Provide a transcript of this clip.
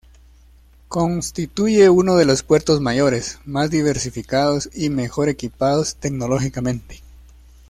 Constituye uno de los puertos mayores, más diversificados y mejor equipados tecnológicamente.